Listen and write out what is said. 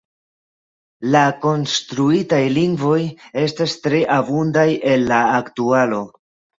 La konstruitaj lingvoj estas tre abundaj en la aktualo.